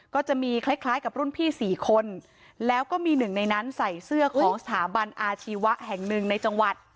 ก็จะมีคล้ายคล้ายกับรุ่นพี่๔คนแล้วก็มีหนึ่งในนั้นใส่เสื้อของสถาบันอาชีวะแห่งหนึ่งในจังหวัด